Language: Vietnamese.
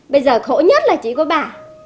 bây giờ khổ nhất là chỉ có bà